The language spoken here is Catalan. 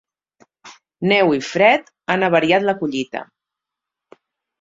Neu i fred han avariat la collita.